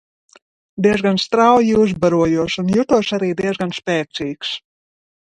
Diezgan strauji uzbarojos un jutos arī diezgan spēcīgs.